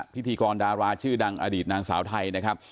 พิธีกรดาราชื่อดังอดีตนางสาวไทยนะครับ